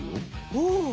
おお。